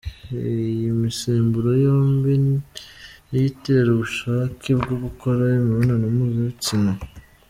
Iyi misemburo yombi niyo itera ubushake bwo gukora imibonano mpuzabitsina.